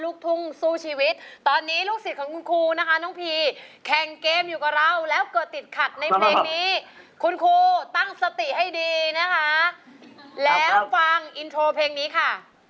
ลูกทุ่งสู้ชีวิตตอนนี้ลูกศิษย์ของคุณครูนะคะน้องพีแข่งเกมอยู่กับเราแล้วเกิดติดขัดในเพลงนี้คุณครูตั้งสติให้ดีนะคะแล้วฟังอินโทรเพลงนี้ค่ะ